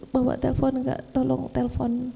bawa telfon enggak tolong telfon